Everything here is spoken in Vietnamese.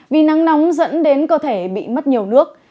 vì nắng nóng dẫn đến cơ thể bị mất nhiều nước